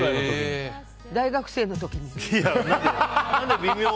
大学生の時に。